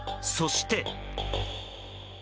そして。